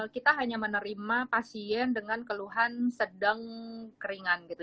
kita hanya menerima pasien dengan keluhan sedang keringan gitu